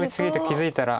気付いたら。